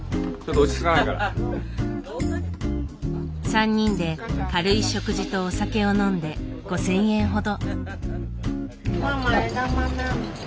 ３人で軽い食事とお酒を飲んで５，０００円ほど。